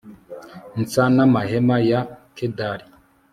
nsa n'amahema ya kedari